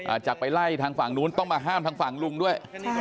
จะไปไล่ทางฝั่งนู้นต้องมาห้ามทางฝั่งลุงด้วย